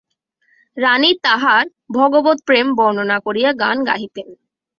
রানী তাঁহার ভগবৎপ্রেম বর্ণনা করিয়া গান গাহিতেন।